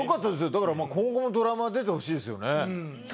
だから今後もドラマ出てほしいですよね。